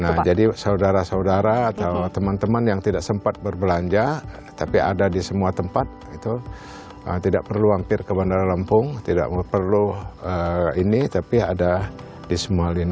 nah jadi saudara saudara atau teman teman yang tidak sempat berbelanja tapi ada di semua tempat itu tidak perlu hampir ke bandara lampung tidak perlu ini tapi ada di semua lini